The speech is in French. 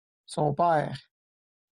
son père.